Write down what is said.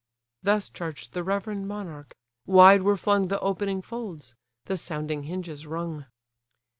Thus charged the reverend monarch: wide were flung The opening folds; the sounding hinges rung.